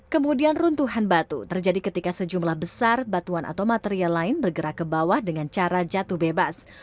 kemudian runtuhan batu terjadi ketika sejumlah besar batuan atau material lain bergerak ke bawah dengan cara jatuh bebas